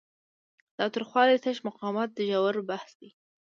له تاوتریخوالي تش مقاومت ژور بحث دی.